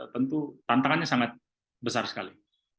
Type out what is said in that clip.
tentu tantangannya sangat besar sekali